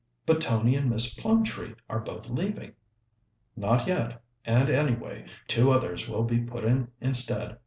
"But Tony and Miss Plumtree are both leaving." "Not yet, and, anyway, two others will be put in instead.